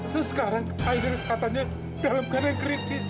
sesekarang aida katanya dalam keadaan kritis